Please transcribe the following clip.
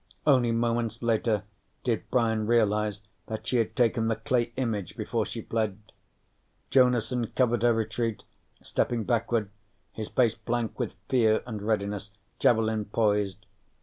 Only moments later did Brian realize that she had taken the clay image before she fled. Jonason covered her retreat, stepping backward, his face blank with fear and readiness, javelin poised.